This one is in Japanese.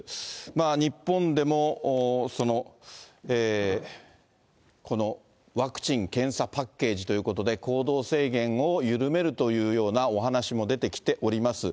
日本でもこのワクチン・検査パッケージということで、行動制限を緩めるというようなお話も出てきております。